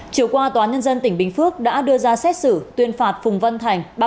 chiều qua tòa nhân dân tỉnh bình phước đã đưa ra xét xử tuyên phạt phùng văn thành